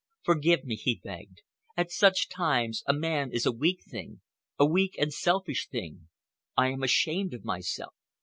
"Forgive me," he begged. "At such times a man is a weak thing—a weak and selfish thing. I am ashamed of myself.